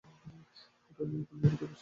উটনীর পিঠে বসা ছিল এক মহিলা।